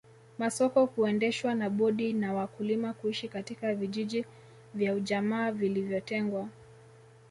Masoko kuendeshwa na bodi na wakulima kuishi katika vijiji vya ujamaa vilivyotengwa